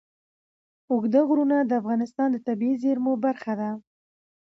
اوږده غرونه د افغانستان د طبیعي زیرمو برخه ده.